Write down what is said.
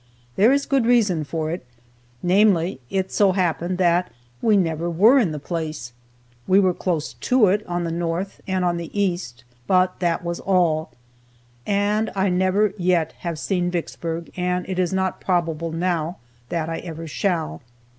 There is good reason for it; namely, it so happened that we never were in the place. We were close to it, on the north and on the east, but that was all. And I never yet have seen Vicksburg, and it is not probable now that I ever shall.